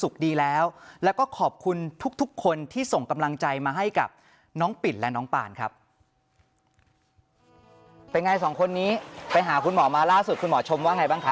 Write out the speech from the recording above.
เป็นไงสองคนนี้ไปหาคุณหมอมาล่าสุดคุณหมอชมว่าไงบ้างคะ